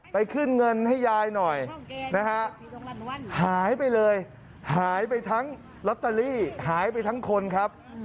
ขึ้นเงินให้ยายหน่อยนะฮะหายไปเลยหายไปทั้งลอตเตอรี่หายไปทั้งคนครับ